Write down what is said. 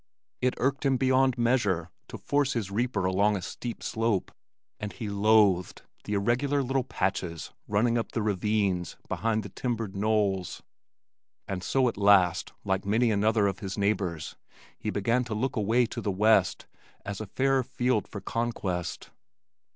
It irked him beyond measure to force his reaper along a steep slope, and he loathed the irregular little patches running up the ravines behind the timbered knolls, and so at last like many another of his neighbors he began to look away to the west as a fairer field for conquest.